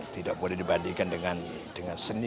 tidak boleh dibandingkan dengan seni